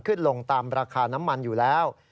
ขึ้นลงตามราคาน้ำมันอยู่แล้ว